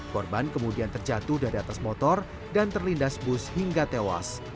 korban kemudian terjatuh dari atas motor dan terlindas bus hingga tewas